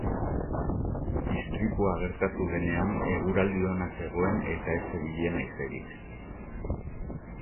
Istripua gertatu denean, eguraldi ona zegoen eta ez zebilen haizerik.